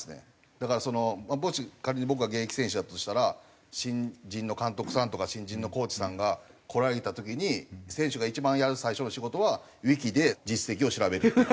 だからそのもし仮に僕が現役選手だとしたら新人の監督さんとか新人のコーチさんが来られた時に選手が一番やる最初の仕事はＷｉｋｉで実績を調べるっていう。